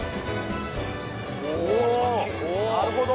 なるほど。